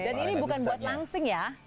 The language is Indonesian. dan ini bukan buat langsing ya